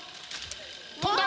飛んだ！